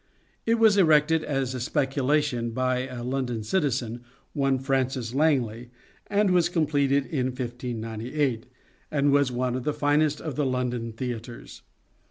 It was erected as a speculation by a London citizen, one Francis Langley, and was completed in 1598, and was one of the finest of the London theatres.